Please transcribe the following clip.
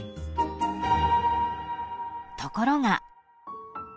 ［ところが］